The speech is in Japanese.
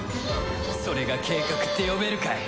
それが計画って呼べるかい？